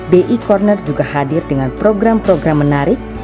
bi corner juga hadir dengan program program menarik